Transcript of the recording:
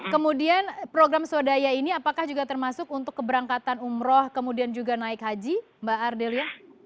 kemudian program swadaya ini apakah juga termasuk untuk keberangkatan umroh kemudian juga naik haji mbak ardelia